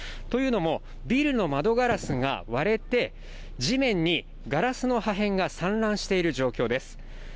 というのも、ビルの窓ガラスが割れて地面にガラスの破片が散乱している状況です。